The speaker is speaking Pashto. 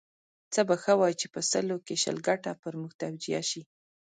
څه به ښه وای چې په سلو کې شل ګټه پر موږ توجیه شي.